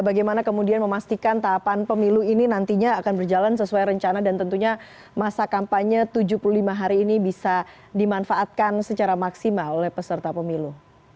bagaimana kemudian memastikan tahapan pemilu ini nantinya akan berjalan sesuai rencana dan tentunya masa kampanye tujuh puluh lima hari ini bisa dimanfaatkan secara maksimal oleh peserta pemilu